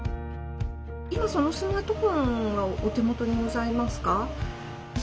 今そのスマートフォンはお手元にございますか？